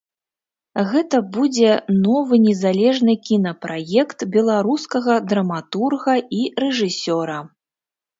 Гэта будзе новы незалежны кінапраект беларускага драматурга і рэжысёра.